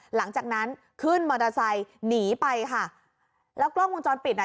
หลังจากนั้นขึ้นมอเตอร์ไซค์หนีไปค่ะแล้วกล้องวงจรปิดอ่ะ